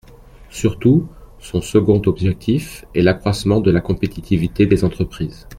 Surtout, son second objectif est l’accroissement de la compétitivité des entreprises.